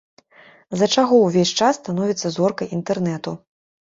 З-за чаго ўвесь час становіцца зоркай інтэрнэту.